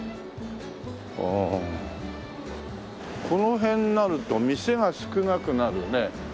うんこの辺になると店が少なくなるね。